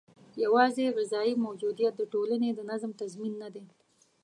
یوازې غذايي موجودیت د ټولنې د نظم تضمین نه دی.